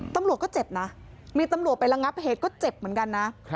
ตำรวจก็เจ็บนะมีตำรวจไประงับเหตุก็เจ็บเหมือนกันนะ